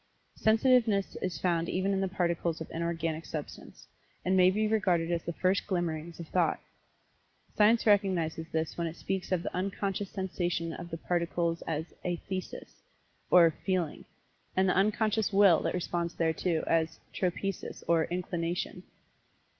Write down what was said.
Sensitiveness is found even in the Particles of Inorganic Substance, and may be regarded as the first glimmerings of thought. Science recognizes this when it speaks of the unconscious sensation of the Particles as athesis or "feeling," and the unconscious Will that responds thereto, as tropesis, or "inclination."